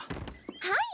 はい。